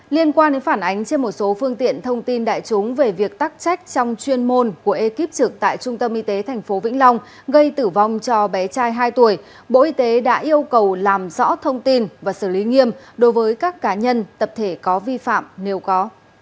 liên quan đến phản ánh trên một số phương tiện thông tin đại chúng về việc tắc trách trong chuyên môn của ekip trực tại trung tâm y tế tp vĩnh long gây tử vong cho bé trai hai tuổi bộ y tế đã yêu cầu làm rõ thông tin và xử lý nghiêm đối với các cá nhân tập thể có vi phạm nếu có